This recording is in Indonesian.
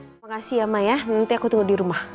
terima kasih ya maya nanti aku tinggal di rumah